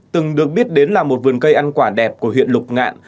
từng được biết đến là một vườn cây ăn quả đẹp của huyện lục ngạn